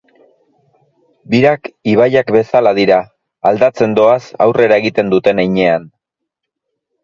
Birak ibaiak bezala dira, aldatzen doaz aurrera egiten duten heinean.